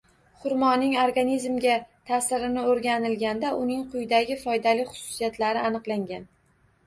Xurmoning organizmga taʼsirini oʻrganilganda uning quyidagi foydali xususiyatlari aniqlangan: